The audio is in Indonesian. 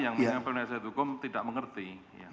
yang dengan penelitian hukum tidak mengerti